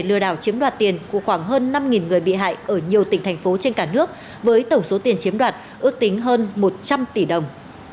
lừa đảo chiếm đoạt tiền của khoảng hơn năm người bị hại ở nhiều tỉnh thành phố trên cả nước với tổng số tiền chiếm đoạt ước tính hơn một trăm linh tỷ đồng